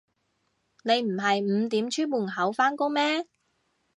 你唔係五點出門口返工咩